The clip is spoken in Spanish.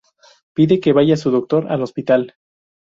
Pide que vaya su doctor al hospital.